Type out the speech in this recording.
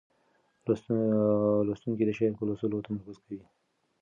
لوستونکی د شعر په لوستلو تمرکز کوي.